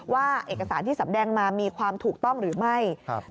ว่าเอกสารที่สำแดงมามีความถูกต้องหรือไม่